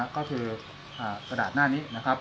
ก็คือกระดาษหน้านี้